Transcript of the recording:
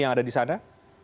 yang ada di sana